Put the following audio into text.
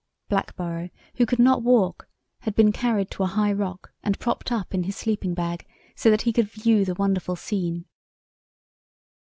"Blackborrow, who could not walk, had been carried to a high rock and propped up in his sleeping bag, so that he could view the wonderful scene.